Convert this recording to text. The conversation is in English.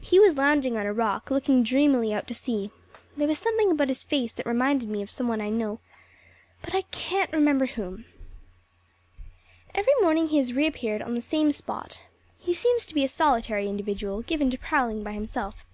He was lounging on a rock, looking dreamily out to sea. There was something about his face that reminded me of someone I know, but I cannot remember whom. Every morning he has reappeared on the same spot. He seems to be a solitary individual, given to prowling by himself.